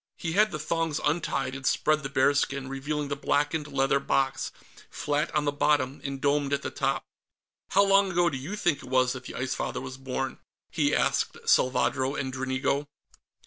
He had the thongs untied, and spread the bearskin, revealing the blackened leather box, flat on the bottom and domed at the top. "How long ago do you think it was that the Ice Father was born?" he asked Salvadro and Dranigo.